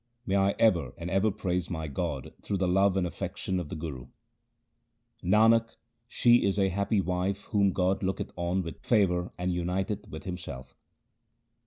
May I ever and ever praise my God through the love and affection of the Guru ! Nanak, she is a happy wife whom God looketh on with favour and uniteth with Himself.